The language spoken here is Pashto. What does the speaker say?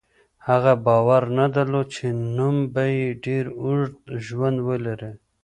هغه باور نه درلود چې نوم به یې ډېر اوږد ژوند ولري.